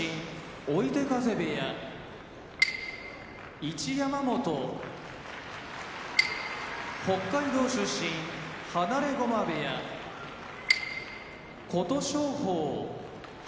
追手風部屋一山本北海道出身放駒部屋琴勝峰